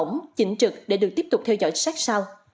bệnh nhân đã bị bỏng chỉnh trực để được tiếp tục theo dõi sát sao